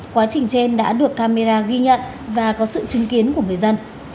quá trình trên đã được camera ghi nhận và có sự chứng kiến của người dân